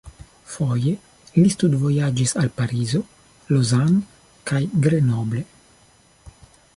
Foje li studvojaĝis al Parizo, Lausanne kaj Grenoble.